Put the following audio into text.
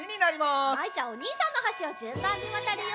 はいじゃあおにいさんのはしをじゅんばんにわたるよ。